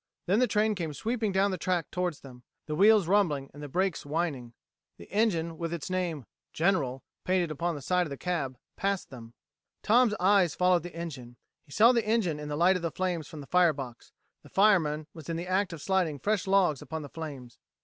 Then the train came sweeping down the track towards them, the wheels rumbling and the brakes whining. The engine, with its name, General, painted upon the side of the cab, passed them. Tom's eyes followed the engine. He saw the engineer in the light of the flames from the firebox; the fireman was in the act of sliding fresh logs upon the flames.